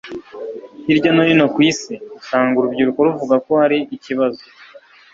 hirya no hino ku isi, usanga urubyiruko ruvuga ko hari ikibazo